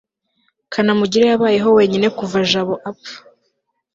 kanamugire yabayeho wenyine kuva jabo apfa